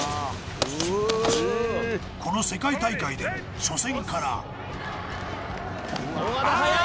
この世界大会でも初戦から尾形速い！